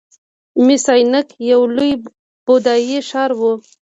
مس عینک یو لوی بودايي ښار و